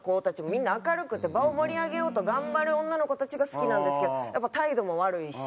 みんな明るくて場を盛り上げようと頑張る女の子たちが好きなんですけどやっぱ態度も悪いし